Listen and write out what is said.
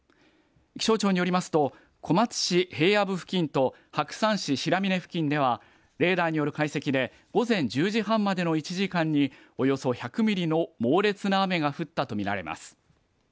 気象庁によりますと小松市平野部付近と白山市白峰付近ではレーダーによる解析で午前１０時半までの１時間におよそ１００ミリの猛烈な雨が降ったと見られます。